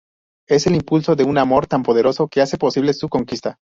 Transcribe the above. Es el impulso de un amor tan poderoso que hace posible su conquista.